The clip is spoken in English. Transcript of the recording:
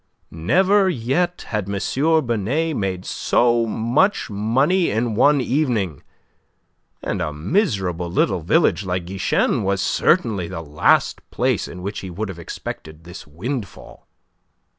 Never yet had M. Binet made so much money in one evening and a miserable little village like Guichen was certainly the last place in which he would have expected this windfall.